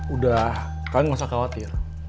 udah kalian gak usah khawatir